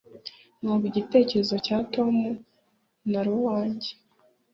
Ntabwo igitekerezo cya Toma Nari uwanjye